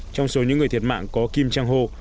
trong số những người thiệt mạng có kim chang ho